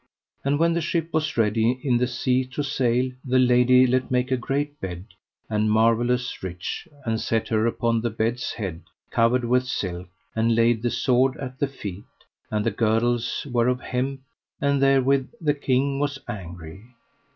And when the ship was ready in the sea to sail, the lady let make a great bed and marvellous rich, and set her upon the bed's head, covered with silk, and laid the sword at the feet, and the girdles were of hemp, and therewith the king was angry.